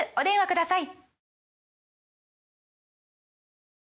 ください